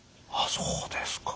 そうですか。